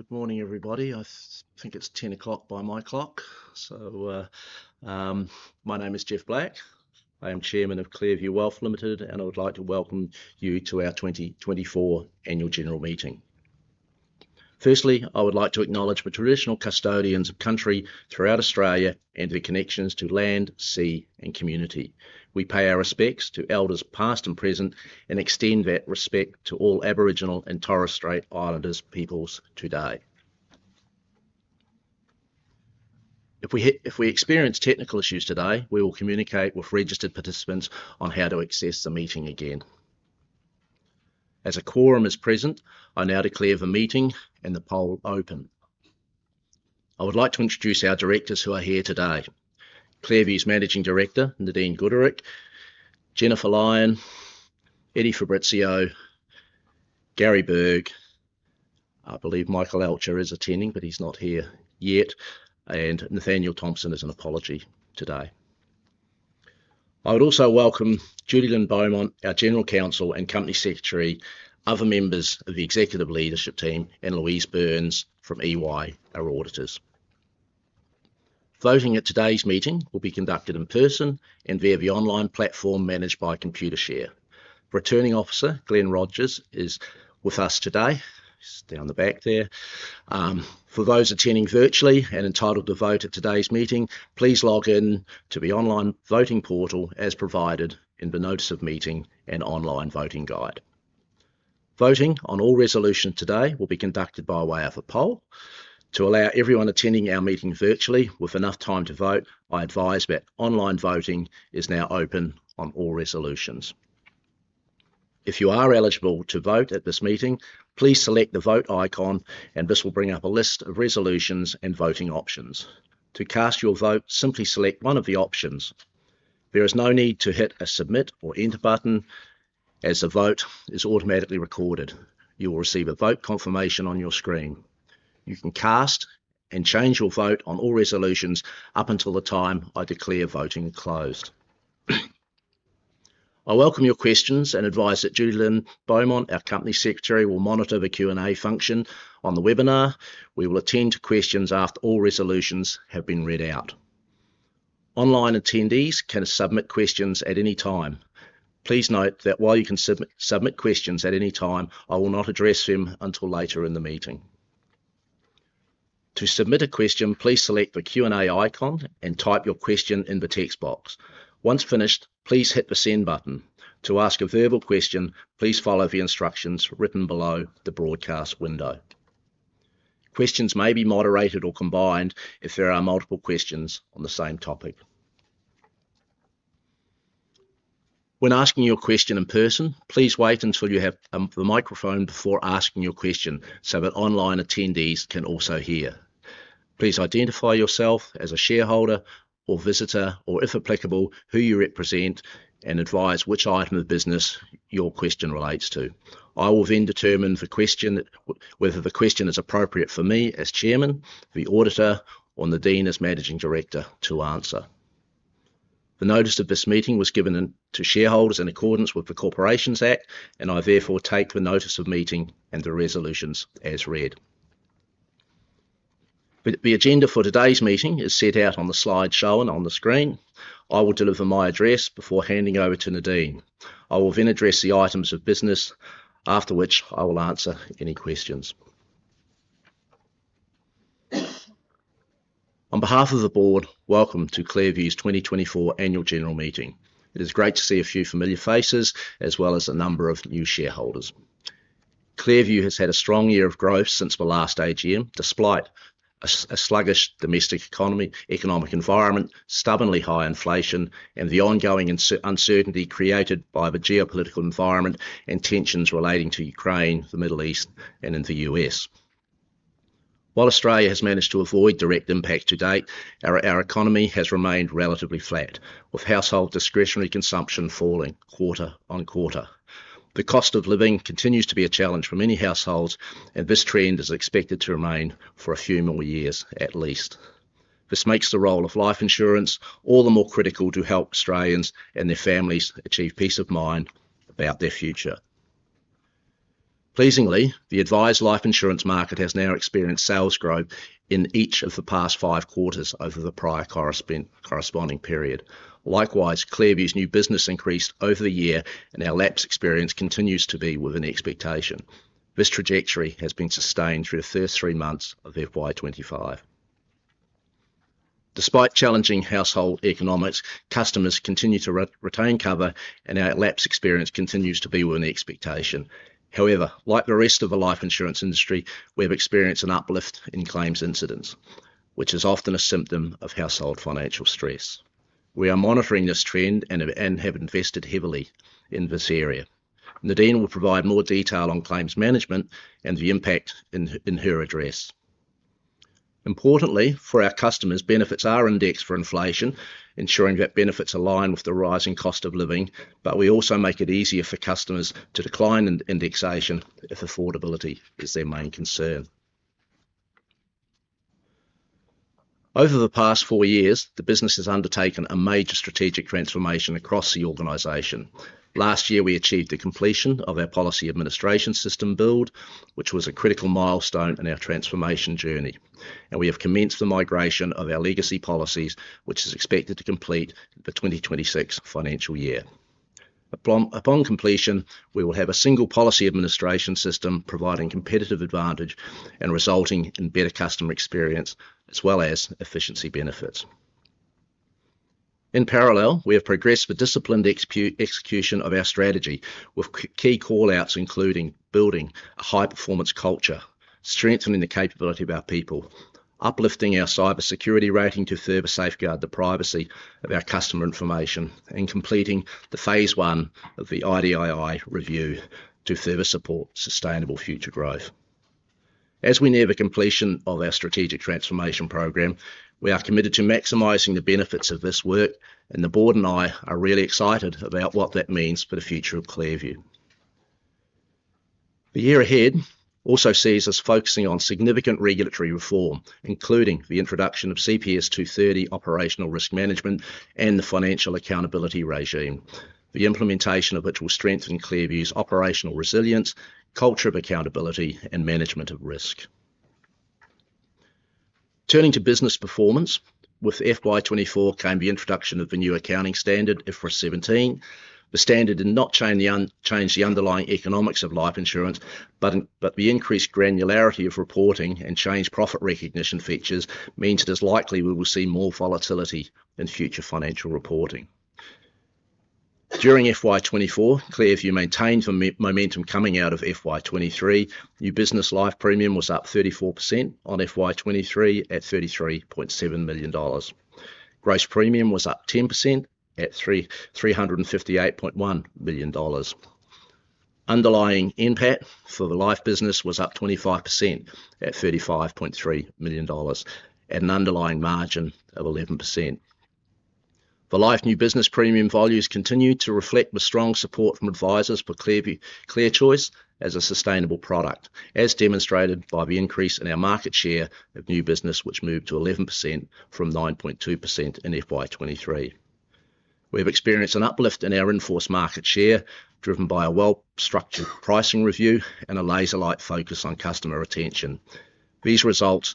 Good morning, everybody. I think it's 10:00 A.M. by my clock. So, my name is Geoff Black. I am Chairman of ClearView Wealth Limited, and I would like to welcome you to our 2024 Annual General Meeting. Firstly, I would like to acknowledge the traditional custodians of country throughout Australia and their connections to land, sea, and community. We pay our respects to Elders past and present and extend that respect to all Aboriginal and Torres Strait Islanders peoples today. If we experience technical issues today, we will communicate with registered participants on how to access the meeting again. As a quorum is present, I now declare the meeting and the poll open. I would like to introduce our directors who are here today: ClearView's Managing Director, Nadine Gooderick; Jennifer Lyon; Eddie Fabrizio; Gary Burg; I believe Michael Alscher is attending, but he's not here yet; and Nathanial Thomson is an apology today. I would also welcome Judilyn Beaumont, our General Counsel and Company Secretary, other members of the Executive Leadership Team, and Louise Burns from EY, our auditors. Voting at today's meeting will be conducted in person and via the online platform managed by Computershare. Returning Officer Glenn Rogers is with us today. He's down the back there. For those attending virtually and entitled to vote at today's meeting, please log in to the online voting portal as provided in the Notice of Meeting and Online Voting Guide. Voting on all resolutions today will be conducted by way of a poll. To allow everyone attending our meeting virtually with enough time to vote, I advise that online voting is now open on all resolutions. If you are eligible to vote at this meeting, please select the vote icon, and this will bring up a list of resolutions and voting options. To cast your vote, simply select one of the options. There is no need to hit a submit or enter button, as the vote is automatically recorded. You will receive a vote confirmation on your screen. You can cast and change your vote on all resolutions up until the time I declare voting closed. I welcome your questions and advise that Judilyn Beaumont, our Company Secretary, will monitor the Q&A function on the webinar. We will attend to questions after all resolutions have been read out. Online attendees can submit questions at any time. Please note that while you can submit questions at any time, I will not address them until later in the meeting. To submit a question, please select the Q&A icon and type your question in the text box. Once finished, please hit the send button. To ask a verbal question, please follow the instructions written below the broadcast window. Questions may be moderated or combined if there are multiple questions on the same topic. When asking your question in person, please wait until you have the microphone before asking your question so that online attendees can also hear. Please identify yourself as a shareholder or visitor, or if applicable, who you represent and advise which item of business your question relates to. I will then determine whether the question is appropriate for me as Chairman, the Auditor, or Nadine as Managing Director to answer. The notice of this meeting was given to shareholders in accordance with the Corporations Act, and I therefore take the Notice of Meeting and the resolutions as read. The agenda for today's meeting is set out on the slides shown on the screen. I will deliver my address before handing over to Nadine. I will then address the items of business, after which I will answer any questions. On behalf of the Board, welcome to ClearView's 2024 Annual General Meeting. It is great to see a few familiar faces as well as a number of new shareholders. ClearView has had a strong year of growth since the last AGM, despite a sluggish domestic economic environment, stubbornly high inflation, and the ongoing uncertainty created by the geopolitical environment and tensions relating to Ukraine, the Middle East, and in the U.S. While Australia has managed to avoid direct impact to date, our economy has remained relatively flat, with household discretionary consumption falling quarter on quarter. The cost of living continues to be a challenge for many households, and this trend is expected to remain for a few more years at least. This makes the role of life insurance all the more critical to help Australians and their families achieve peace of mind about their future. Pleasingly, the advised life insurance market has now experienced sales growth in each of the past five quarters over the prior corresponding period. Likewise, ClearView's new business increased over the year, and our lapse experience continues to be within expectation. This trajectory has been sustained through the first three months of FY 2025. Despite challenging household economics, customers continue to retain cover, and our lapse experience continues to be within expectation. However, like the rest of the life insurance industry, we have experienced an uplift in claims incidents, which is often a symptom of household financial stress. We are monitoring this trend and have invested heavily in this area. Nadine will provide more detail on claims management and the impact in her address. Importantly, for our customers, benefits are indexed for inflation, ensuring that benefits align with the rising cost of living, but we also make it easier for customers to decline indexation if affordability is their main concern. Over the past four years, the business has undertaken a major strategic transformation across the organization. Last year, we achieved the completion of our policy administration system build, which was a critical milestone in our transformation journey, and we have commenced the migration of our legacy policies, which is expected to complete the 2026 financial year. Upon completion, we will have a single policy administration system providing competitive advantage and resulting in better customer experience as well as efficiency benefits. In parallel, we have progressed with disciplined execution of our strategy, with key callouts including building a high-performance culture, strengthening the capability of our people, uplifting our cybersecurity rating to further safeguard the privacy of our customer information, and completing the phase one of the IDII review to further support sustainable future growth. As we near the completion of our strategic transformation program, we are committed to maximizing the benefits of this work, and the Board and I are really excited about what that means for the future of ClearView. The year ahead also sees us focusing on significant regulatory reform, including the introduction of CPS 230 Operational Risk Management and the Financial Accountability Regime, the implementation of which will strengthen ClearView's operational resilience, culture of accountability, and management of risk. Turning to business performance, with FY 2024 came the introduction of the new accounting standard, AASB 17. The standard did not change the underlying economics of life insurance, but the increased granularity of reporting and changed profit recognition features means it is likely we will see more volatility in future financial reporting. During FY 2024, ClearView maintained the momentum coming out of FY 2023. New business life premium was up 34% on FY 2023 at 33.7 million dollars. Gross premium was up 10% at 358.1 million dollars. Underlying impact for the life business was up 25% at 35.3 million dollars and an underlying margin of 11%. The life new business premium values continue to reflect the strong support from advisors for ClearView ClearChoice as a sustainable product, as demonstrated by the increase in our market share of new business, which moved to 11% from 9.2% in FY 2023. We've experienced an uplift in our enhanced market share, driven by a well-structured pricing review and a laser-like focus on customer retention. These results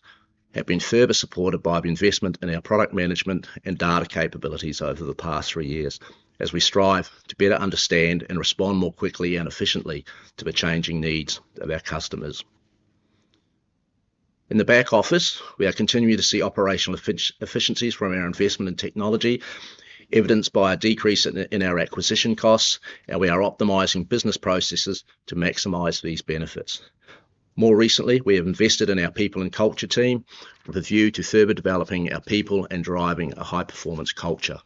have been further supported by the investment in our product management and data capabilities over the past three years, as we strive to better understand and respond more quickly and efficiently to the changing needs of our customers. In the back office, we are continuing to see operational efficiencies from our investment in technology, evidenced by a decrease in our acquisition costs, and we are optimizing business processes to maximize these benefits. More recently, we have invested in our people and culture team, with a view to further developing our people and driving a high-performance culture.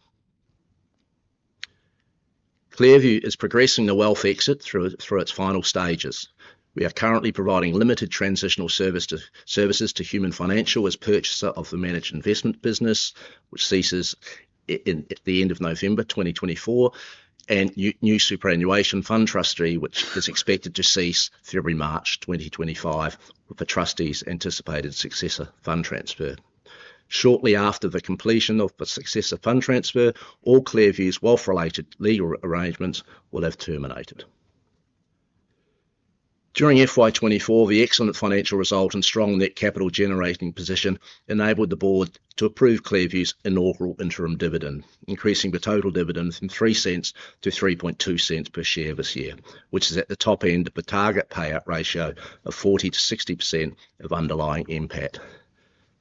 ClearView is progressing the wealth exit through its final stages. We are currently providing limited transitional services to Human Financial as purchaser of the managed investment business, which ceases at the end of November 2024, and new superannuation fund trustee, which is expected to cease February-March 2025, with the trustee's anticipated successor fund transfer. Shortly after the completion of the successor fund transfer, all ClearView's wealth-related legal arrangements will have terminated. During FY 2024, the excellent financial result and strong net capital generating position enabled the Board to approve ClearView's inaugural interim dividend, increasing the total dividend from 0.03 to 0.032 per share this year, which is at the top end of the target payout ratio of 40%-60% of underlying impact.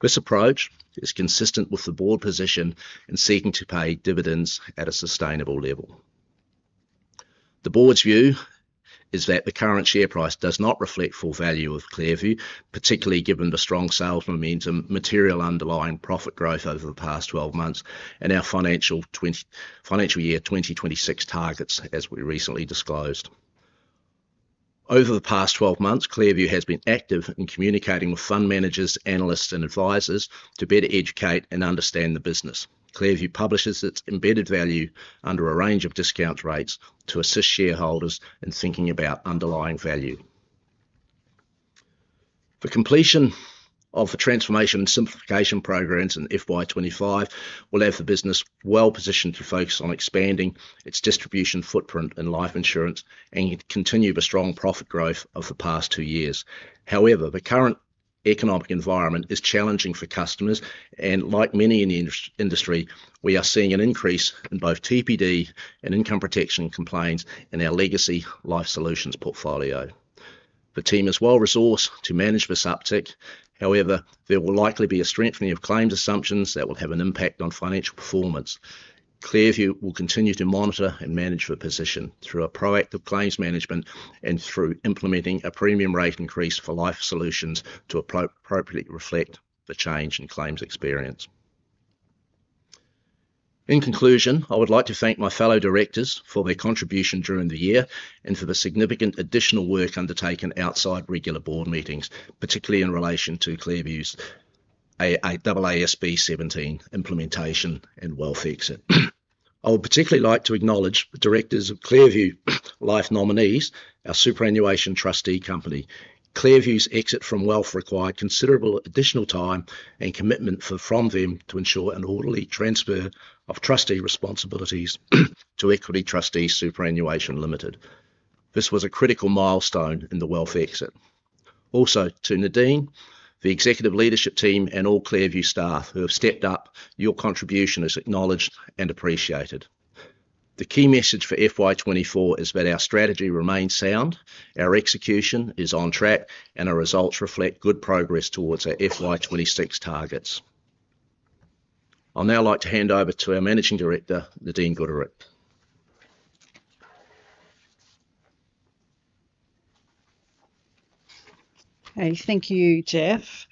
This approach is consistent with the Board position in seeking to pay dividends at a sustainable level. The Board's view is that the current share price does not reflect full value of ClearView, particularly given the strong sales momentum, material underlying profit growth over the past 12 months, and our financial year 2026 targets, as we recently disclosed. Over the past 12 months, ClearView has been active in communicating with fund managers, analysts, and advisors to better educate and understand the business. ClearView publishes its Embedded Value under a range of discount rates to assist shareholders in thinking about underlying value. The completion of the transformation and simplification programs in FY 2025 will have the business well positioned to focus on expanding its distribution footprint in life insurance and continue the strong profit growth of the past two years. However, the current economic environment is challenging for customers, and like many in the industry, we are seeing an increase in both TPD and income protection complaints in our legacy Life Solutions portfolio. The team is well resourced to manage this uptick. However, there will likely be a strengthening of claims assumptions that will have an impact on financial performance. ClearView will continue to monitor and manage the position through a proactive claims management and through implementing a premium rate increase for Life Solutions to appropriately reflect the change in claims experience. In conclusion, I would like to thank my fellow directors for their contribution during the year and for the significant additional work undertaken outside regular Board meetings, particularly in relation to ClearView's AASB 17 implementation and wealth exit. I would particularly like to acknowledge the directors of ClearView Life Nominees, our superannuation trustee company. ClearView's exit from wealth required considerable additional time and commitment from them to ensure an orderly transfer of trustee responsibilities to Equity Trustees Superannuation Limited. This was a critical milestone in the wealth exit. Also, to Nadine, the executive leadership team, and all ClearView staff who have stepped up, your contribution is acknowledged and appreciated. The key message for FY 2024 is that our strategy remains sound, our execution is on track, and our results reflect good progress towards our FY 2026 targets. I'd now like to hand over to our Managing Director, Nadine Gooderick. Okay, thank you, Geoff.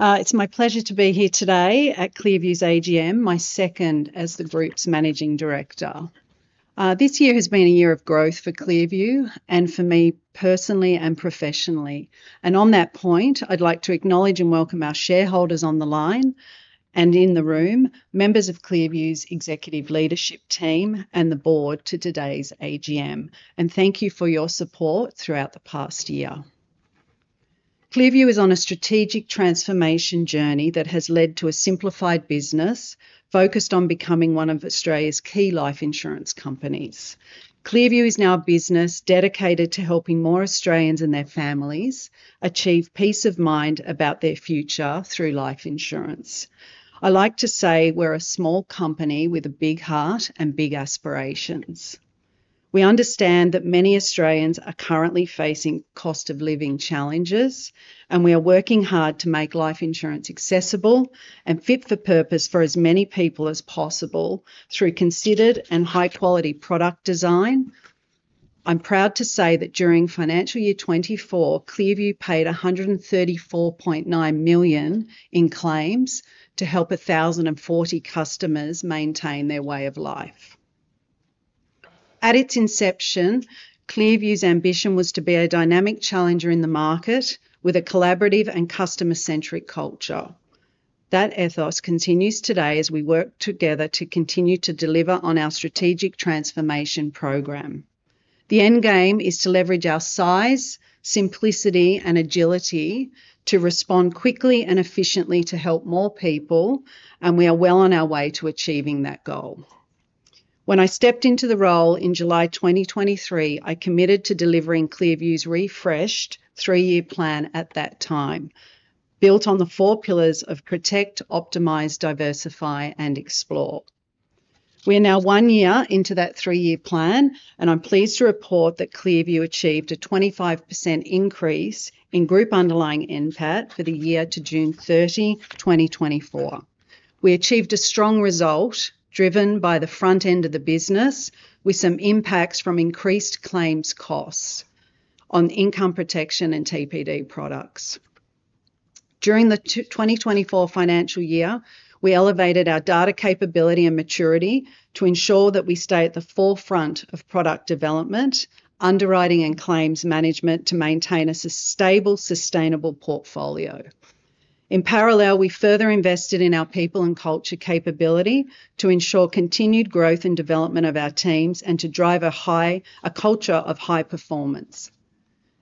It's my pleasure to be here today at ClearView's AGM, my second as the Group's Managing Director. This year has been a year of growth for ClearView and for me personally and professionally. On that point, I'd like to acknowledge and welcome our shareholders on the line and in the room, members of ClearView's executive leadership team and the Board to today's AGM and thank you for your support throughout the past year. ClearView is on a strategic transformation journey that has led to a simplified business focused on becoming one of Australia's key life insurance companies. ClearView is now a business dedicated to helping more Australians and their families achieve peace of mind about their future through life insurance. I like to say we're a small company with a big heart and big aspirations. We understand that many Australians are currently facing cost of living challenges, and we are working hard to make life insurance accessible and fit for purpose for as many people as possible through considered and high-quality product design. I'm proud to say that during financial year 2024, ClearView paid 134.9 million in claims to help 1,040 customers maintain their way of life. At its inception, ClearView's ambition was to be a dynamic challenger in the market with a collaborative and customer-centric culture. That ethos continues today as we work together to continue to deliver on our strategic transformation program. The end game is to leverage our size, simplicity, and agility to respond quickly and efficiently to help more people, and we are well on our way to achieving that goal. When I stepped into the role in July 2023, I committed to delivering ClearView's refreshed three-year plan at that time, built on the four pillars of protect, optimize, diversify, and explore. We are now one year into that three-year plan, and I'm pleased to report that ClearView achieved a 25% increase in group underlying impact for the year to June 30, 2024. We achieved a strong result driven by the front end of the business, with some impacts from increased claims costs on income protection and TPD products. During the 2024 financial year, we elevated our data capability and maturity to ensure that we stay at the forefront of product development, underwriting, and claims management to maintain a stable, sustainable portfolio. In parallel, we further invested in our people and culture capability to ensure continued growth and development of our teams and to drive a culture of high performance.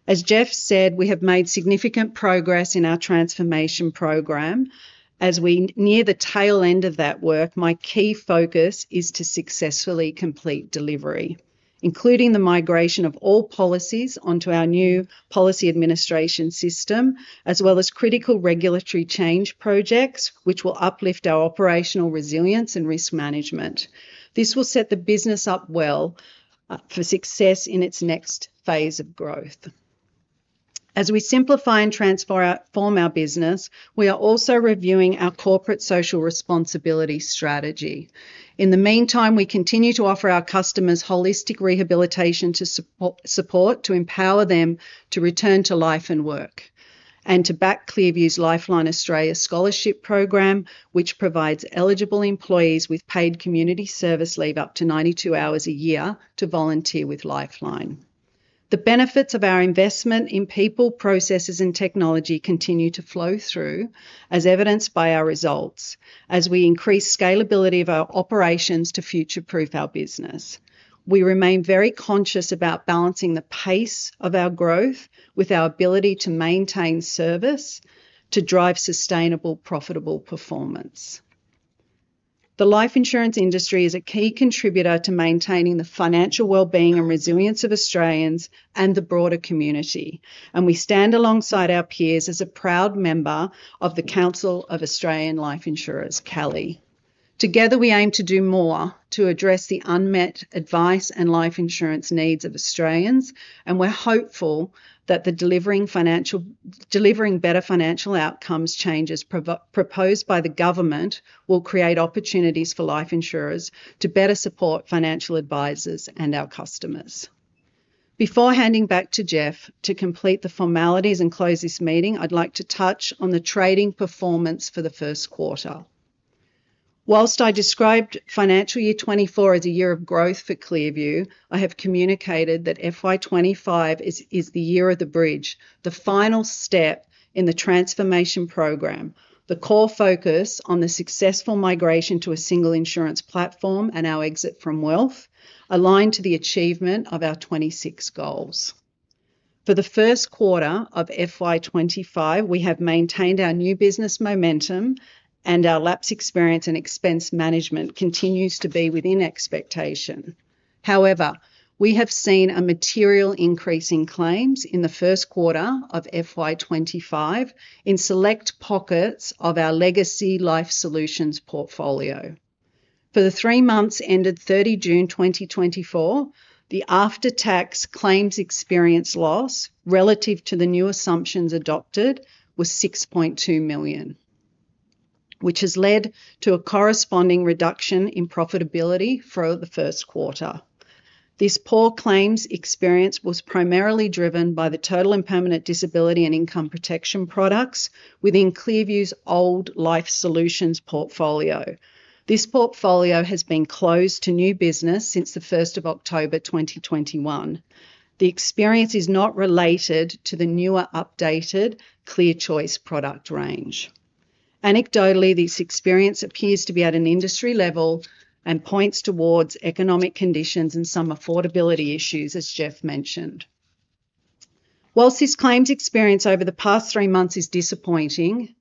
As Geoff said, we have made significant progress in our transformation program. As we near the tail end of that work, my key focus is to successfully complete delivery, including the migration of all policies onto our new policy administration system, as well as critical regulatory change projects, which will uplift our operational resilience and risk management. This will set the business up well for success in its next phase of growth. As we simplify and transform our business, we are also reviewing our corporate social responsibility strategy. In the meantime, we continue to offer our customers holistic rehabilitation support to empower them to return to life and work and to back ClearView's Lifeline Australia scholarship program, which provides eligible employees with paid community service leave up to 92 hours a year to volunteer with Lifeline. The benefits of our investment in people, processes, and technology continue to flow through, as evidenced by our results, as we increase scalability of our operations to future-proof our business. We remain very conscious about balancing the pace of our growth with our ability to maintain service to drive sustainable, profitable performance. The life insurance industry is a key contributor to maintaining the financial well-being and resilience of Australians and the broader community, and we stand alongside our peers as a proud member of the Council of Australian Life Insurers, CALI. Together, we aim to do more to address the unmet advice and life insurance needs of Australians, and we're hopeful that the Delivering Better Financial Outcomes changes proposed by the government will create opportunities for life insurers to better support financial advisors and our customers. Before handing back to Geoff to complete the formalities and close this meeting, I'd like to touch on the trading performance for the first quarter. While I described financial year 2024 as a year of growth for ClearView, I have communicated that FY 2025 is the year of the bridge, the final step in the transformation program, the core focus on the successful migration to a single insurance platform and our exit from wealth, aligned to the achievement of our 2026 goals. For the first quarter of FY 2025, we have maintained our new business momentum, and our lapse experience and expense management continues to be within expectation. However, we have seen a material increase in claims in the first quarter of FY 2025 in select pockets of our legacy Life Solutions portfolio. For the three months ended 30 June 2024, the after-tax claims experience loss relative to the new assumptions adopted was 6.2 million, which has led to a corresponding reduction in profitability for the first quarter. This poor claims experience was primarily driven by the total and permanent disability and income protection products within ClearView's old Life Solutions portfolio. This portfolio has been closed to new business since the 1st of October 2021. The experience is not related to the newer updated ClearChoice product range. Anecdotally, this experience appears to be at an industry level and points towards economic conditions and some affordability issues, as Geoff mentioned. While this claims experience over the past three months is disappointing,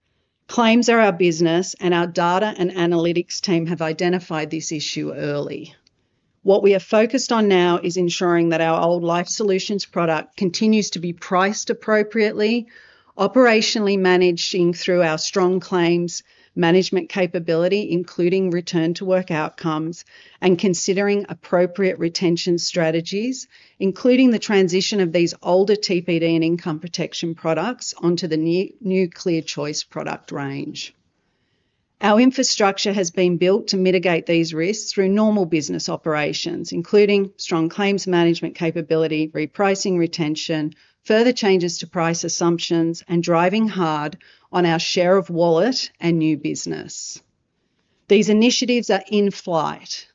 claims are our business, and our data and analytics team have identified this issue early. What we are focused on now is ensuring that our old Life Solutions product continues to be priced appropriately, operationally managed through our strong claims management capability, including return-to-work outcomes, and considering appropriate retention strategies, including the transition of these older TPD and income protection products onto the new ClearChoice product range. Our infrastructure has been built to mitigate these risks through normal business operations, including strong claims management capability, repricing, retention, further changes to price assumptions, and driving hard on our share of wallet and new business. These initiatives are in flight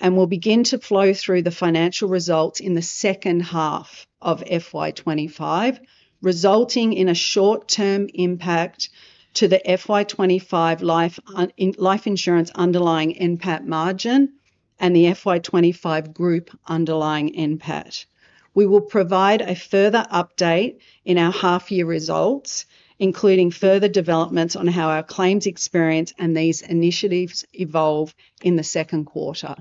and will begin to flow through the financial results in the second half of FY 2025, resulting in a short-term impact to the FY 2025 life insurance underlying impact margin and the FY 2025 group underlying impact. We will provide a further update in our half-year results, including further developments on how our claims experience and these initiatives evolve in the second quarter.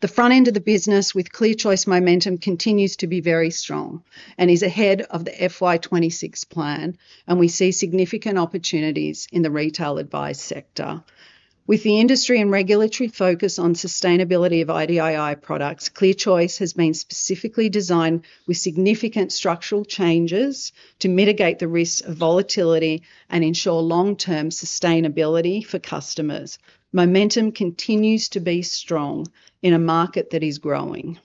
The front end of the business with ClearChoice momentum continues to be very strong and is ahead of the FY 2026 plan, and we see significant opportunities in the retail advice sector. With the industry and regulatory focus on sustainability of IDII products, ClearChoice has been specifically designed with significant structural changes to mitigate the risk of volatility and ensure long-term sustainability for customers. Momentum continues to be strong in a market that is growing.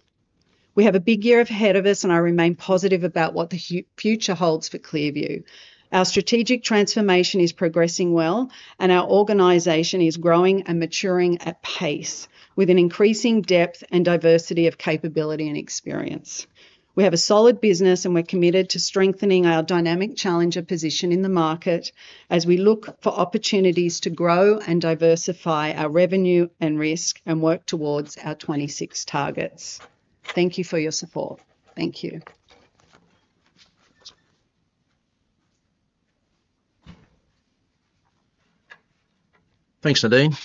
We have a big year ahead of us, and I remain positive about what the future holds for ClearView. Our strategic transformation is progressing well, and our organization is growing and maturing at pace with an increasing depth and diversity of capability and experience. We have a solid business, and we're committed to strengthening our dynamic challenger position in the market as we look for opportunities to grow and diversify our revenue and risk and work towards our 26 targets. Thank you for your support. Thank you. Thanks, Nadine.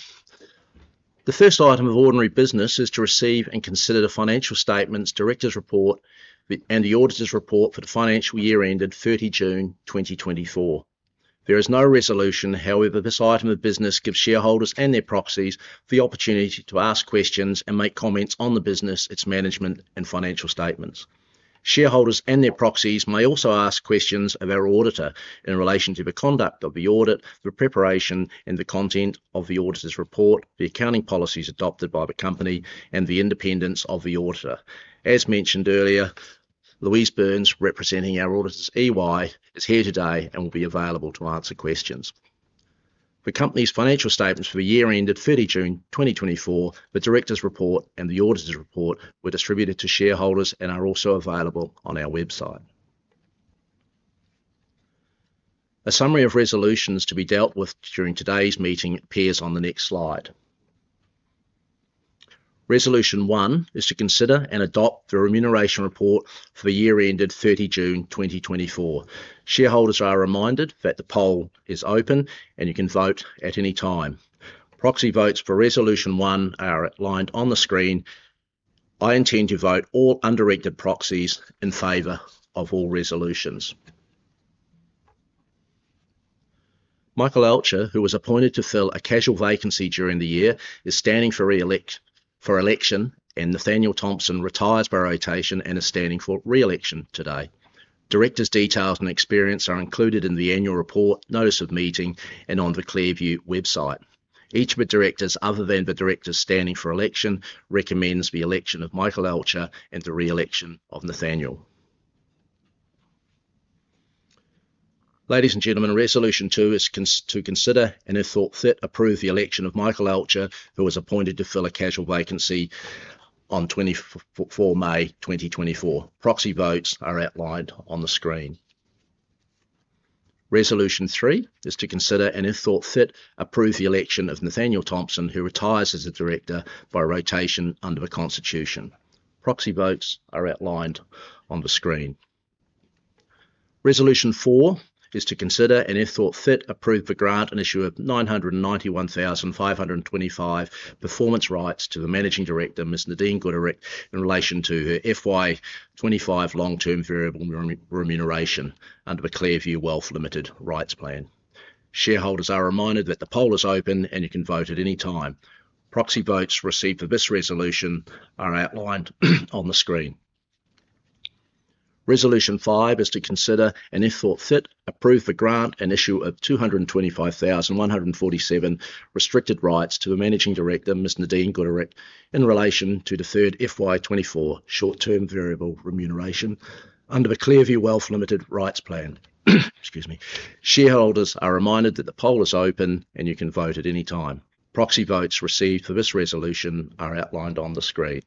The first item of ordinary business is to receive and consider the Financial Statements, Directors' Report, and the Auditor's Report for the financial year ended 30 June 2024. There is no resolution; however, this item of business gives shareholders and their proxies the opportunity to ask questions and make comments on the business, its management, and financial statements. Shareholders and their proxies may also ask questions of our auditor in relation to the conduct of the audit, the preparation, and the content of the auditor's report, the accounting policies adopted by the company, and the independence of the auditor. As mentioned earlier, Louise Burns, representing our auditors, EY, is here today and will be available to answer questions. The company's financial statements for the year ended 30 June 2024, the director's report, and the auditor's report were distributed to shareholders and are also available on our website. A summary of resolutions to be dealt with during today's meeting appears on the next slide. Resolution one is to consider and adopt the remuneration report for the year ended 30 June 2024. Shareholders are reminded that the poll is open and you can vote at any time. Proxy votes for resolution one are live on the screen. I intend to vote all undirected proxies in favor of all resolutions. Michael Alscher, who was appointed to fill a casual vacancy during the year, is standing for re-election, and Nathanial Thomson retires by rotation and is standing for re-election today. Directors' details and experience are included in the annual report, notice of meeting, and on the ClearView website. Each of the directors, other than the directors standing for election, recommends the election of Michael Alscher and the re-election of Nathanial. Ladies and gentlemen, resolution two is to consider and, if thought fit, approve the election of Michael Alscher, who was appointed to fill a casual vacancy on 24 May 2024. Proxy votes are outlined on the screen. Resolution three is to consider and, if thought fit, approve the election of Nathanial Thomson, who retires as a director by rotation under the constitution. Proxy votes are outlined on the screen. Resolution four is to consider and, if thought fit, approve the grant and issue of 991,525 performance rights to the managing director, Ms. Nadine Gooderick, in relation to her FY 2025 long-term variable remuneration under the ClearView Wealth Limited Rights Plan. Shareholders are reminded that the poll is open and you can vote at any time. Proxy votes received for this resolution are outlined on the screen. Resolution five is to consider and, if thought fit, approve the grant and issue of 225,147 restricted rights to the managing director, Ms. Nadine Gooderick, in relation to the third FY 2024 short-term variable remuneration under the ClearView Wealth Limited Rights Plan. Excuse me. Shareholders are reminded that the poll is open and you can vote at any time. Proxy votes received for this resolution are outlined on the screen.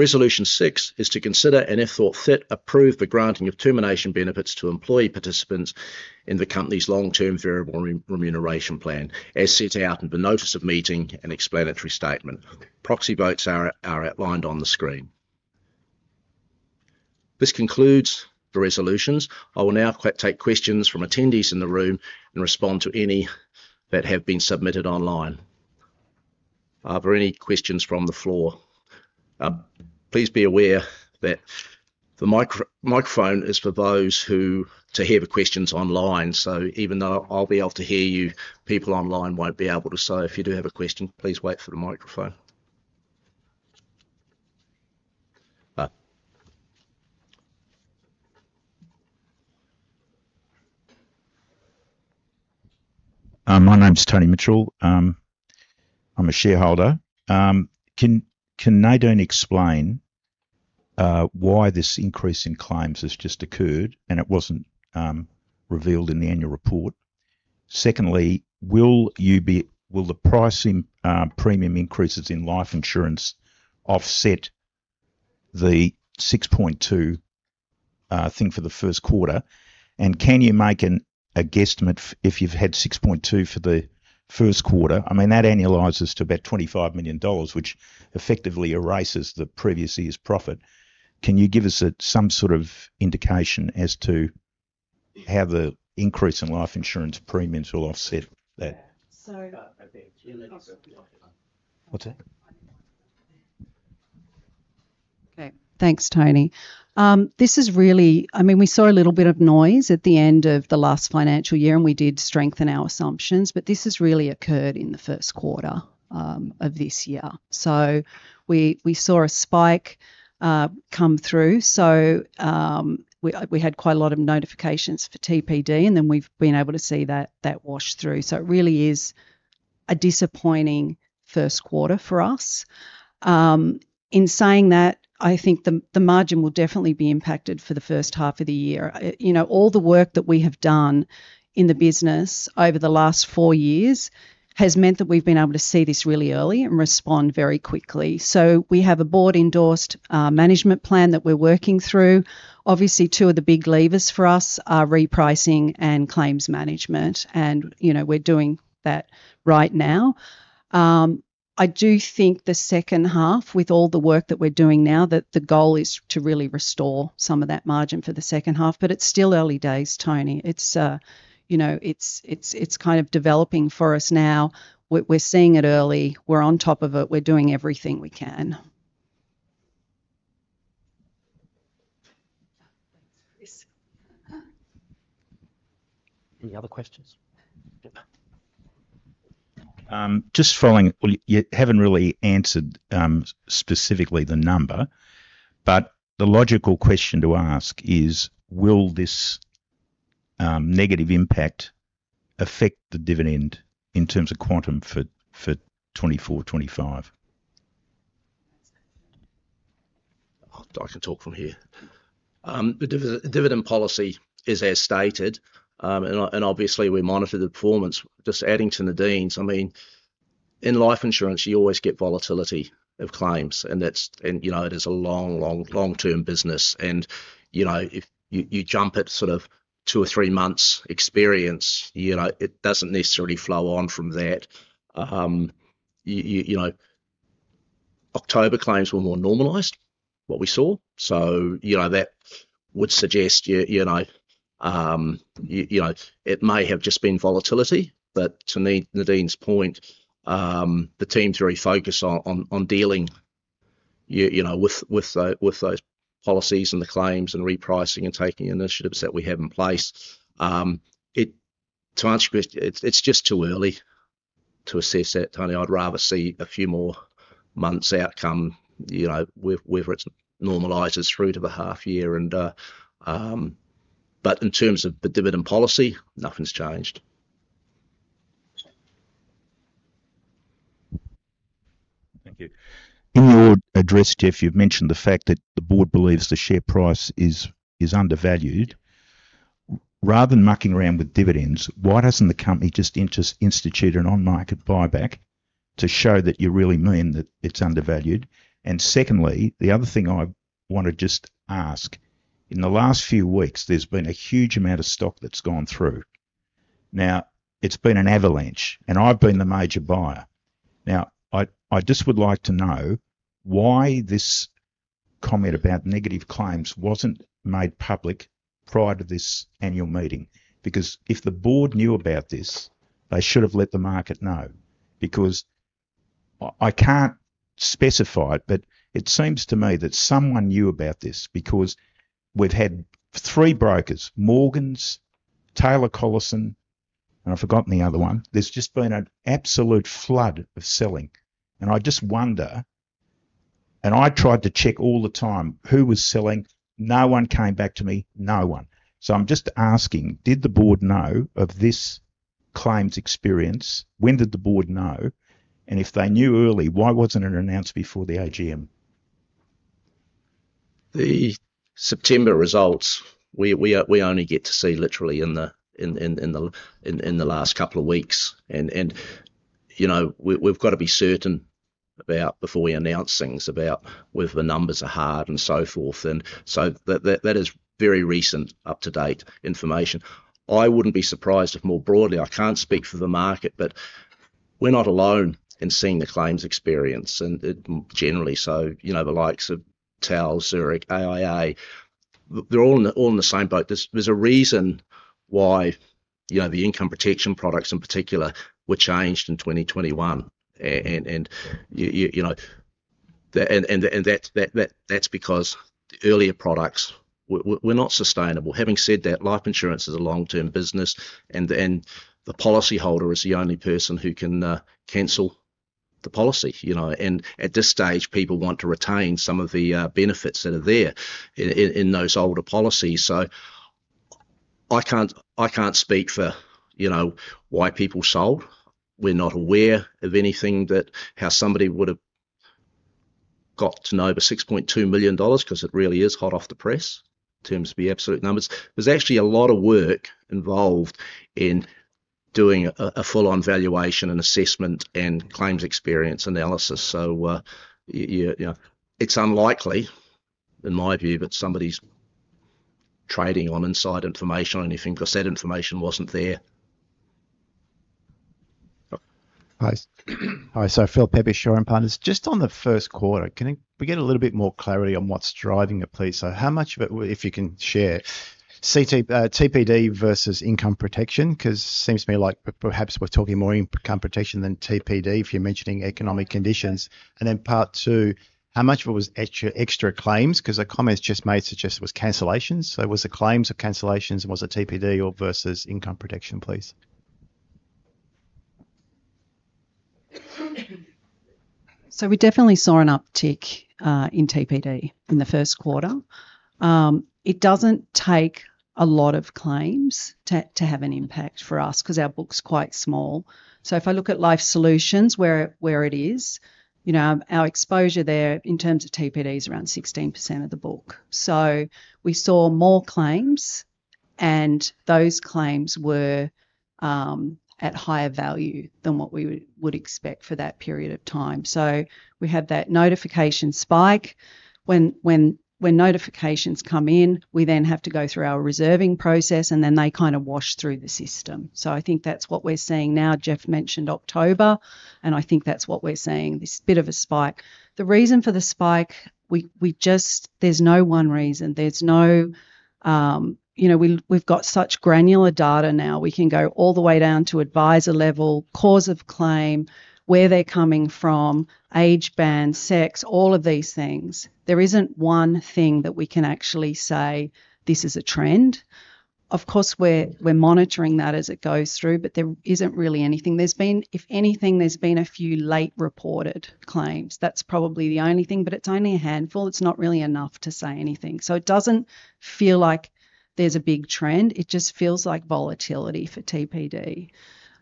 Resolution six is to consider and, if thought fit, approve the granting of termination benefits to employee participants in the company's long-term variable remuneration plan, as set out in the notice of meeting and explanatory statement. Proxy votes are outlined on the screen. This concludes the resolutions. I will now take questions from attendees in the room and respond to any that have been submitted online. Are there any questions from the floor? Please be aware that the microphone is for those who have questions online, so even though I'll be able to hear you, people online won't be able to. So if you do have a question, please wait for the microphone. My name's Tony Mitchell. I'm a shareholder. Can Nadine explain why this increase in claims has just occurred and it wasn't revealed in the annual report? Secondly, will the pricing premium increases in life insurance offset the 6.2 million thing for the first quarter? And can you make a guesstimate if you've had 6.2 million for the first quarter? I mean, that annualizes to about 25 million dollars, which effectively erases the previous year's profit. Can you give us some sort of indication as to how the increase in life insurance premiums will offset that? Okay. Thanks, Tony. This is really, I mean, we saw a little bit of noise at the end of the last financial year, and we did strengthen our assumptions, but this has really occurred in the first quarter of this year. So we saw a spike come through. So we had quite a lot of notifications for TPD, and then we've been able to see that wash through. So it really is a disappointing first quarter for us. In saying that, I think the margin will definitely be impacted for the first half of the year. All the work that we have done in the business over the last four years has meant that we've been able to see this really early and respond very quickly. So we have a board-endorsed management plan that we're working through. Obviously, two of the big levers for us are repricing and claims management, and we're doing that right now. I do think the second half, with all the work that we're doing now, that the goal is to really restore some of that margin for the second half, but it's still early days, Tony. It's kind of developing for us now. We're seeing it early. We're on top of it. We're doing everything we can. Any other questions? Just following, well, you haven't really answered specifically the number, but the logical question to ask is, will this negative impact affect the dividend in terms of quantum for 2024, 2025? I can talk from here. The dividend policy is as stated, and obviously, we monitor the performance. Just adding to Nadine's, I mean, in life insurance, you always get volatility of claims, and it is a long, long, long-term business. And if you jump at sort of two or three months' experience, it doesn't necessarily flow on from that. October claims were more normalized, what we saw. So that would suggest it may have just been volatility. But to Nadine's point, the team's very focused on dealing with those policies and the claims and repricing and taking initiatives that we have in place. To answer your question, it's just too early to assess that, Tony. I'd rather see a few more months' outcome, whether it normalizes through to the half-year. But in terms of the dividend policy, nothing's changed. Thank you. In your address, Geoff, you've mentioned the fact that the board believes the share price is undervalued. Rather than mucking around with dividends, why doesn't the company just institute an off-market buyback to show that you really mean that it's undervalued? And secondly, the other thing I want to just ask, in the last few weeks, there's been a huge amount of stock that's gone through. Now, it's been an avalanche, and I've been the major buyer. Now, I just would like to know why this comment about negative claims wasn't made public prior to this annual meeting. Because if the board knew about this, they should have let the market know. Because I can't specify it, but it seems to me that someone knew about this because we've had three brokers: Morgans, Taylor Collison, and I've forgotten the other one. There's just been an absolute flood of selling. And I just wonder, and I tried to check all the time who was selling. No one came back to me. No one. So I'm just asking, did the board know of this claims experience? When did the board know? And if they knew early, why wasn't it announced before the AGM? The September results, we only get to see literally in the last couple of weeks. And we've got to be certain before we announce things about whether the numbers are hard and so forth. And so that is very recent, up-to-date information. I wouldn't be surprised if more broadly, I can't speak for the market, but we're not alone in seeing the claims experience and generally. So the likes of TAL, Zurich, AIA, they're all in the same boat. There's a reason why the income protection products in particular were changed in 2021. And that's because the earlier products were not sustainable. Having said that, life insurance is a long-term business, and the policyholder is the only person who can cancel the policy. And at this stage, people want to retain some of the benefits that are there in those older policies. So I can't speak for why people sold. We're not aware of anything that how somebody would have got to know the 6.2 million dollars because it really is hot off the press in terms of the absolute numbers. There's actually a lot of work involved in doing a full-on valuation and assessment and claims experience analysis. So it's unlikely, in my view, that somebody's trading on inside information or anything because that information wasn't there. Hi. So Phil Pepe, Shaw and Partners. Just on the first quarter, can we get a little bit more clarity on what's driving it, please? So how much of it, if you can share? TPD versus income protection because it seems to me like perhaps we're talking more income protection than TPD if you're mentioning economic conditions. And then part two, how much of it was extra claims? Because the comments just made suggest it was cancellations. So was it claims or cancellations, and was it TPD versus income protection, please? So we definitely saw an uptick in TPD in the first quarter. It doesn't take a lot of claims to have an impact for us because our book's quite small. So if I look at Life Solutions, where it is, our exposure there in terms of TPD is around 16% of the book. So we saw more claims, and those claims were at higher value than what we would expect for that period of time. So we had that notification spike. When notifications come in, we then have to go through our reserving process, and then they kind of wash through the system. So I think that's what we're seeing now. Geoff mentioned October, and I think that's what we're seeing, this bit of a spike. The reason for the spike, there's no one reason. We've got such granular data now. We can go all the way down to advisor level, cause of claim, where they're coming from, age band, sex, all of these things. There isn't one thing that we can actually say, "This is a trend." Of course, we're monitoring that as it goes through, but there isn't really anything. If anything, there's been a few late-reported claims. That's probably the only thing, but it's only a handful. It's not really enough to say anything. So it doesn't feel like there's a big trend. It just feels like volatility for TPD.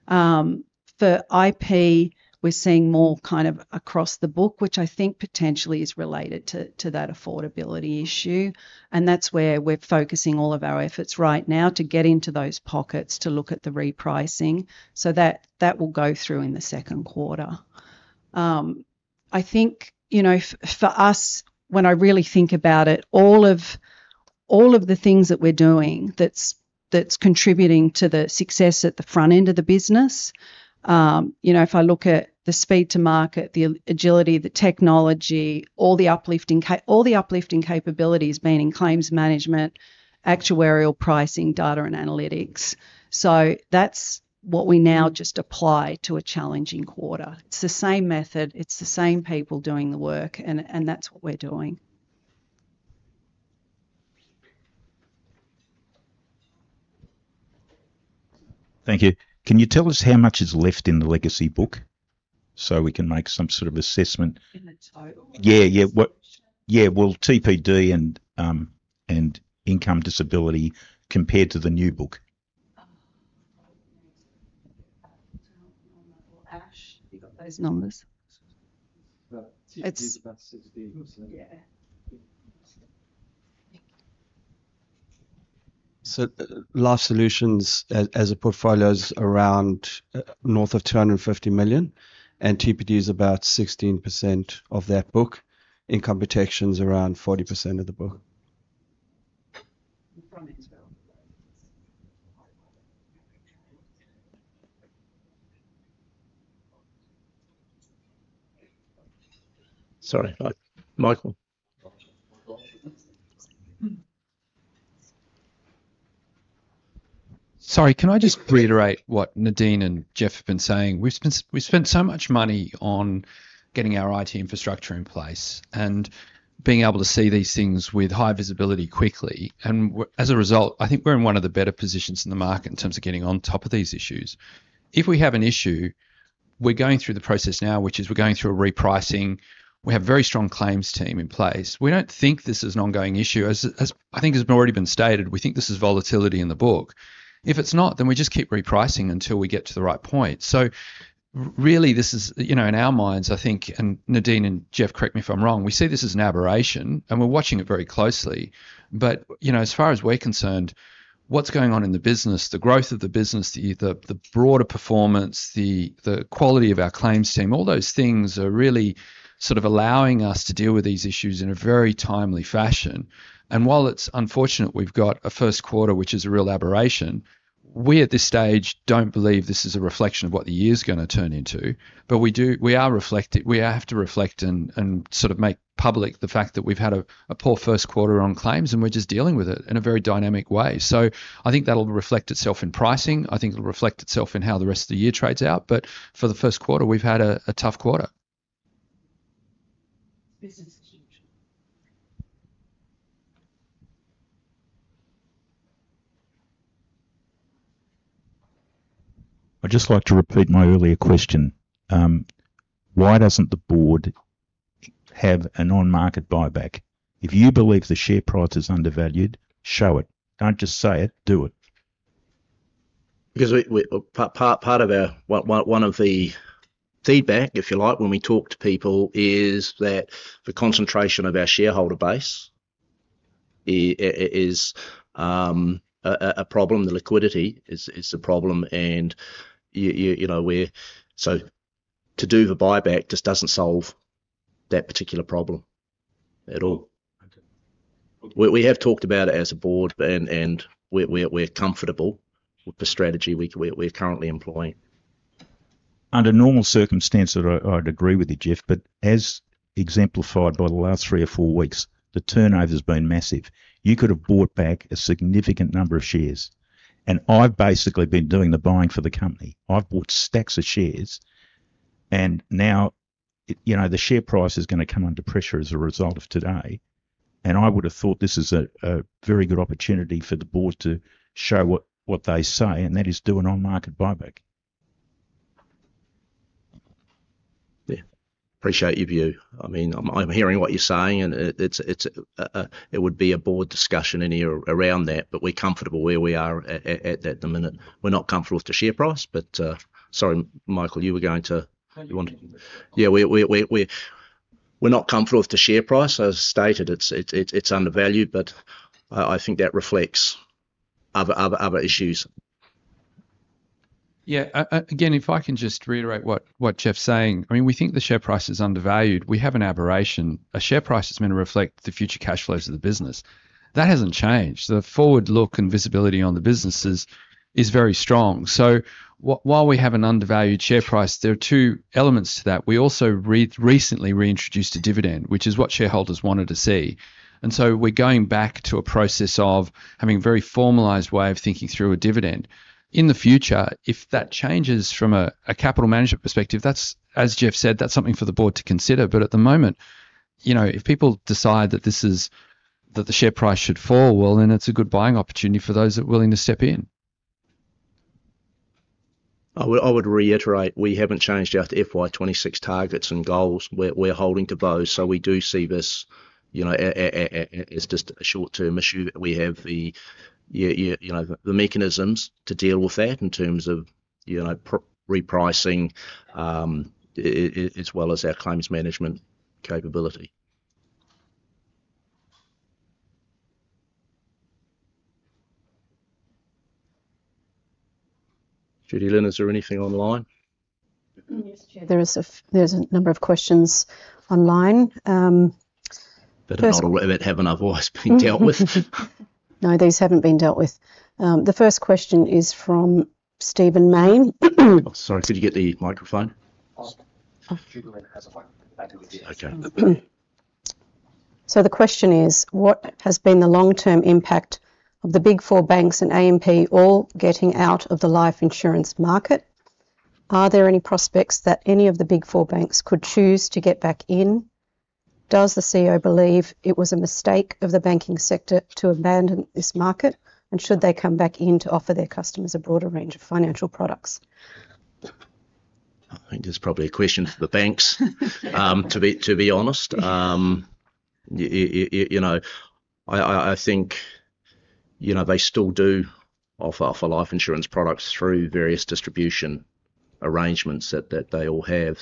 For IP, we're seeing more kind of across the book, which I think potentially is related to that affordability issue, and that's where we're focusing all of our efforts right now to get into those pockets to look at the repricing, so that will go through in the second quarter. I think for us, when I really think about it, all of the things that we're doing that's contributing to the success at the front end of the business, if I look at the speed to market, the agility, the technology, all the uplifting capabilities, meaning claims management, actuarial pricing, data, and analytics, so that's what we now just apply to a challenging quarter. It's the same method. It's the same people doing the work, and that's what we're doing. Thank you. Can you tell us how much is left in the legacy book so we can make some sort of assessment? In the total? Yeah. Yeah. Well, TPD and income protection compared to the new book? Have you got those numbers? TPD is about 16%. Yeah. So Life Solutions as a portfolio is around north of 250 million, and TPD is about 16% of that book. Income protection's around 40% of the book. Sorry. Michael? Sorry. Can I just reiterate what Nadine and Geoff have been saying? We spent so much money on getting our IT infrastructure in place and being able to see these things with high visibility quickly. And as a result, I think we're in one of the better positions in the market in terms of getting on top of these issues. If we have an issue, we're going through the process now, which is we're going through a repricing. We have a very strong claims team in place. We don't think this is an ongoing issue. I think it's already been stated. We think this is volatility in the book. If it's not, then we just keep repricing until we get to the right point. So really, in our minds, I think, and Nadine and Geoff, correct me if I'm wrong, we see this as an aberration, and we're watching it very closely. But as far as we're concerned, what's going on in the business, the growth of the business, the broader performance, the quality of our claims team, all those things are really sort of allowing us to deal with these issues in a very timely fashion. While it's unfortunate we've got a first quarter, which is a real aberration, we at this stage don't believe this is a reflection of what the year's going to turn into. But we have to reflect and sort of make public the fact that we've had a poor first quarter on claims, and we're just dealing with it in a very dynamic way. So I think that'll reflect itself in pricing. I think it'll reflect itself in how the rest of the year trades out. But for the first quarter, we've had a tough quarter. Business is huge. I'd just like to repeat my earlier question. Why doesn't the board have an off-market buyback? If you believe the share price is undervalued, show it. Don't just say it. Do it. Because part of our, one of the feedback, if you like, when we talk to people is that the concentration of our shareholder base is a problem. The liquidity is a problem, and so to do the buyback just doesn't solve that particular problem at all. We have talked about it as a board, and we're comfortable with the strategy we're currently employing. Under normal circumstances, I'd agree with you, Geoff. But as exemplified by the last three or four weeks, the turnover has been massive. You could have bought back a significant number of shares, and I've basically been doing the buying for the company. I've bought stacks of shares, and now the share price is going to come under pressure as a result of today. I would have thought this is a very good opportunity for the board to show what they say, and that is do an off-market buyback. Yeah. Appreciate your view. I mean, I'm hearing what you're saying, and it would be a board discussion any year around that. But we're comfortable where we are at the minute. We're not comfortable with the share price. But sorry, Michael, you were going to. Yeah, we're not comfortable with the share price. As stated, it's undervalued, but I think that reflects other issues. Yeah. Again, if I can just reiterate what Geoff's saying. I mean, we think the share price is undervalued. We have an aberration. A share price is meant to reflect the future cash flows of the business. That hasn't changed. The forward look and visibility on the business is very strong. So while we have an undervalued share price, there are two elements to that. We also recently reintroduced a dividend, which is what shareholders wanted to see. And so we're going back to a process of having a very formalized way of thinking through a dividend. In the future, if that changes from a capital management perspective, as Geoff said, that's something for the board to consider. But at the moment, if people decide that the share price should fall, well, then it's a good buying opportunity for those that are willing to step in. I would reiterate, we haven't changed our FY 2026 targets and goals. We're holding to those. So we do see this as just a short-term issue. We have the mechanisms to deal with that in terms of repricing as well as our claims management capability. Judilyn, is there anything online? Yes, Chair. There's a number of questions online. But not all of it have enough voice being dealt with. No, these haven't been dealt with. The first question is from Stephen Mayne. Sorry, could you get the microphone? Okay. So the question is, what has been the long-term impact of the Big Four banks and AMP all getting out of the life insurance market? Are there any prospects that any of the Big Four banks could choose to get back in? Does the CEO believe it was a mistake of the banking sector to abandon this market? And should they come back in to offer their customers a broader range of financial products? I think it's probably a question for the banks, to be honest. I think they still do offer life insurance products through various distribution arrangements that they all have.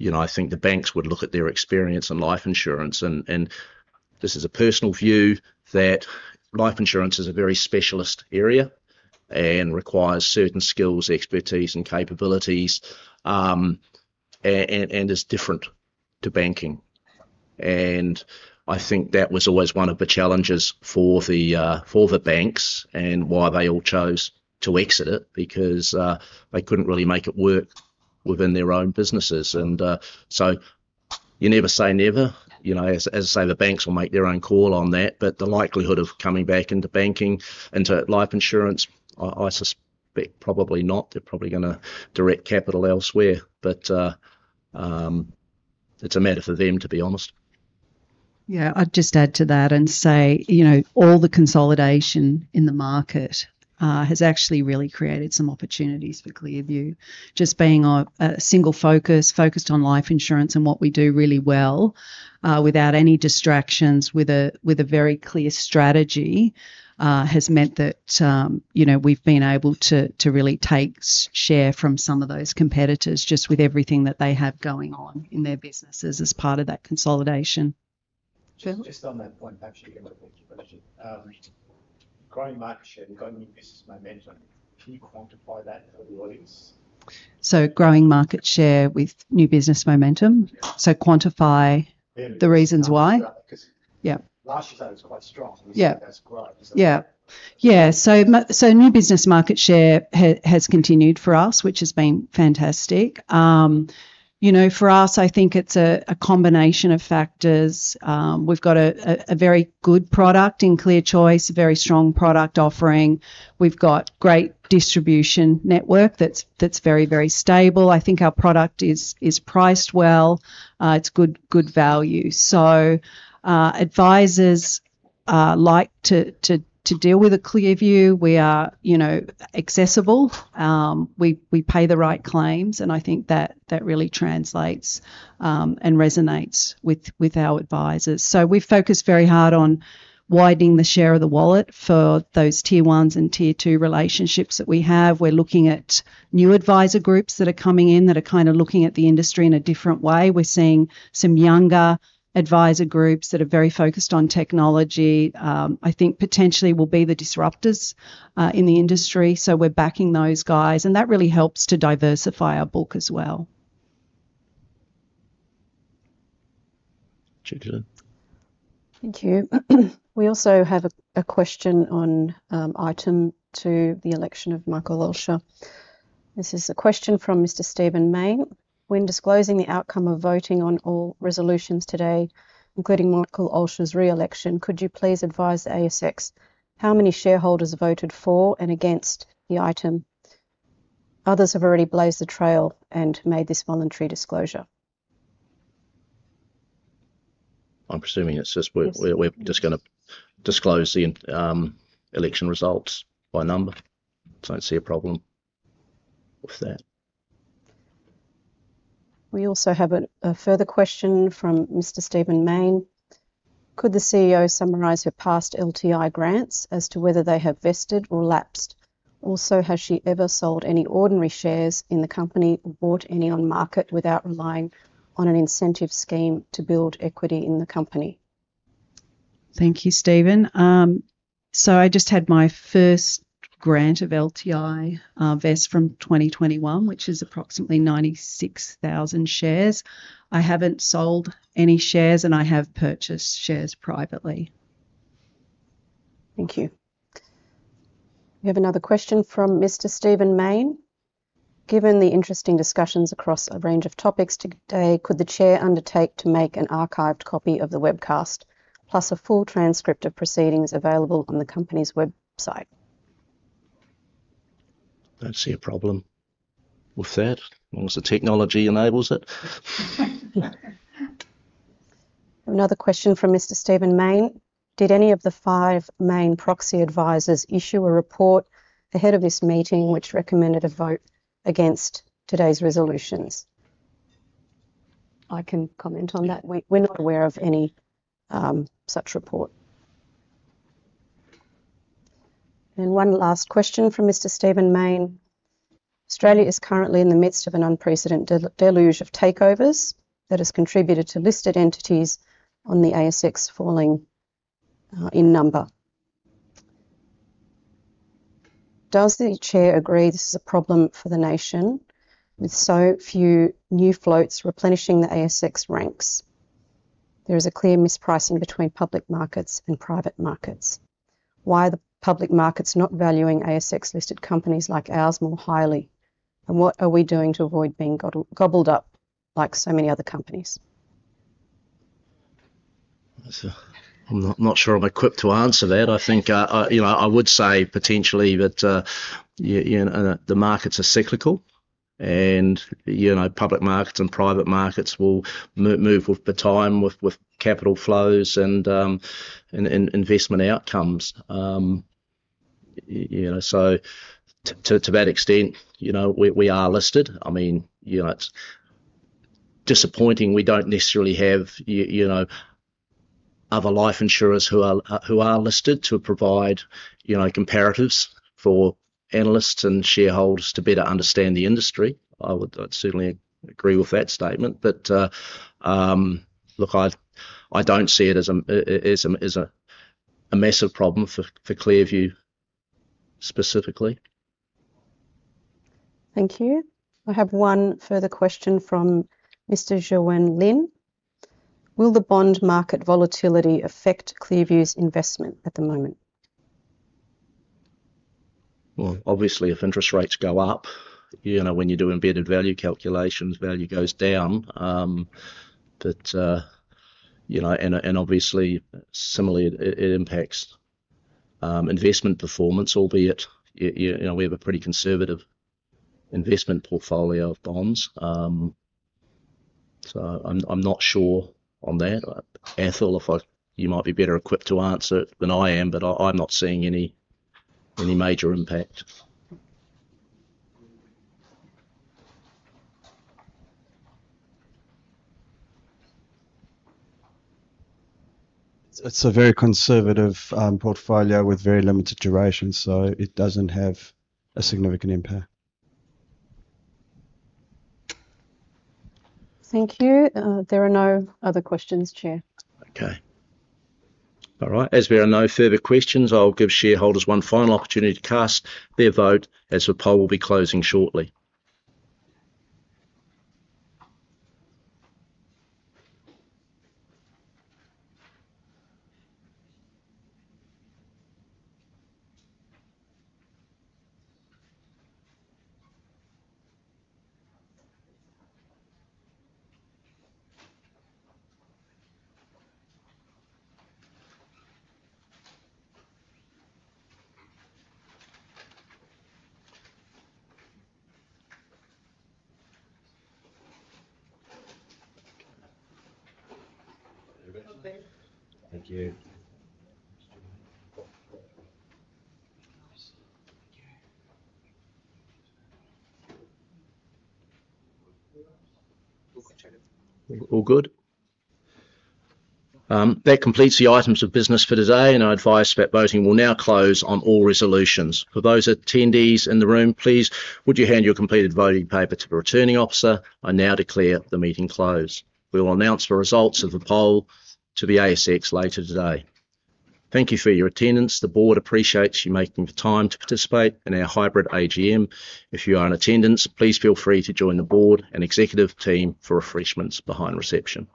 So I think the banks would look at their experience in life insurance. And this is a personal view that life insurance is a very specialist area and requires certain skills, expertise, and capabilities, and is different to banking. And I think that was always one of the challenges for the banks and why they all chose to exit it because they couldn't really make it work within their own businesses. And so you never say never. As I say, the banks will make their own call on that. But the likelihood of coming back into life insurance, I suspect probably not. They're probably going to direct capital elsewhere. But it's a matter for them to be honest. Yeah. I'd just add to that and say all the consolidation in the market has actually really created some opportunities for ClearView. Just being a single focus, focused on life insurance and what we do really well without any distractions, with a very clear strategy, has meant that we've been able to really take share from some of those competitors just with everything that they have going on in their businesses as part of that consolidation. Just on that point, actually, you're going to make a question. Growing market share and growing new business momentum. Can you quantify that for the audience? So growing market share with new business momentum. So quantify the reasons why. Yeah. Last year, that was quite strong. That was growing. Yeah. Yeah. So new business market share has continued for us, which has been fantastic. For us, I think it's a combination of factors. We've got a very good product in ClearChoice, a very strong product offering. We've got great distribution network that's very, very stable. I think our product is priced well. It's good value. So advisors like to deal with ClearView. We are accessible. We pay the right claims. And I think that really translates and resonates with our advisors. So we've focused very hard on widening the share of the wallet for those tier ones and tier two relationships that we have. We're looking at new advisor groups that are coming in that are kind of looking at the industry in a different way. We're seeing some younger advisor groups that are very focused on technology, I think potentially will be the disruptors in the industry. So we're backing those guys. And that really helps to diversify our book as well. Thank you. We also have a question on item two, the election of Michael Alscher. This is a question from Mr. Stephen Mayne. When disclosing the outcome of voting on all resolutions today, including Michael Alscher's re-election, could you please advise ASX how many shareholders voted for and against the item? Others have already blazed the trail and made this voluntary disclosure. I'm presuming it's just we're going to disclose the election results by number, so I don't see a problem with that. We also have a further question from Mr. Stephen Mayne. Could the CEO summarize her past LTI grants as to whether they have vested or lapsed? Also, has she ever sold any ordinary shares in the company or bought any on market without relying on an incentive scheme to build equity in the company? Thank you, Stephen. So I just had my first grant of LTI vest from 2021, which is approximately 96,000 shares. I haven't sold any shares, and I have purchased shares privately. Thank you. We have another question from Mr. Stephen Mayne. Given the interesting discussions across a range of topics today, could the chair undertake to make an archived copy of the webcast, plus a full transcript of proceedings available on the company's website? Don't see a problem with that, as long as the technology enables it. Another question from Mr. Stephen Mayne. Did any of the five main proxy advisors issue a report ahead of this meeting which recommended a vote against today's resolutions? I can comment on that. We're not aware of any such report. And one last question from Mr. Stephen Mayne. Australia is currently in the midst of an unprecedented deluge of takeovers that has contributed to listed entities on the ASX falling in number. Does the chair agree this is a problem for the nation with so few new floats replenishing the ASX ranks? There is a clear mispricing between public markets and private markets. Why are the public markets not valuing ASX-listed companies like ours more highly? And what are we doing to avoid being gobbled up like so many other companies? I'm not sure I'm equipped to answer that. I think I would say potentially that the markets are cyclical, and public markets and private markets will move with the time with capital flows and investment outcomes. So to that extent, we are listed. I mean, it's disappointing we don't necessarily have other life insurers who are listed to provide comparatives for analysts and shareholders to better understand the industry. I would certainly agree with that statement. But look, I don't see it as a massive problem for ClearView specifically. Thank you. I have one further question from Mr. Lin. Will the bond market volatility affect ClearView's investment at the moment? Obviously, if interest rates go up, when you do embedded value calculations, value goes down, and obviously, similarly, it impacts investment performance, albeit we have a pretty conservative investment portfolio of bonds. So I'm not sure on that. Alscher, you might be better equipped to answer it than I am, but I'm not seeing any major impact. It's a very conservative portfolio with very limited duration, so it doesn't have a significant impact. Thank you. There are no other questions, Chair. Okay. All right. As there are no further questions, I'll give shareholders one final opportunity to cast their vote, as the poll will be closing shortly. Thank you. All good? That completes the items of business for today, and I advise that voting will now close on all resolutions. For those attendees in the room, please would you hand your completed voting paper to the returning officer? I now declare the meeting closed. We will announce the results of the poll to the ASX later today. Thank you for your attendance. The board appreciates you making the time to participate in our hybrid AGM. If you are in attendance, please feel free to join the board and executive team for refreshments behind reception.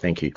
Thank you.